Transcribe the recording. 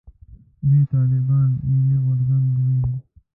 دوی طالبان «ملي غورځنګ» بولي.